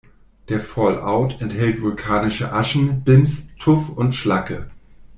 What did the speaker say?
Der Fallout enthält vulkanische Aschen, Bims, Tuff und Schlacke.